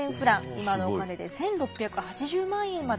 今のお金で１，６８０万円まで上がりました。